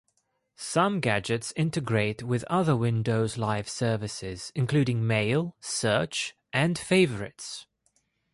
Some gadgets integrate with other Windows Live services, including Mail, Search, and Favorites.